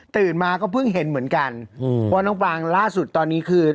มาก็เพิ่งเห็นเหมือนกันว่าน้องปรางล่าสุดตอนนี้คือ